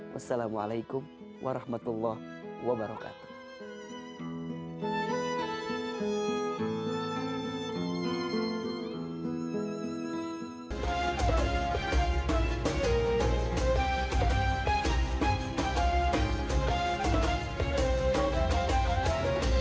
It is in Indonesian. wassalamualaikum warahmatullah wabarakatuh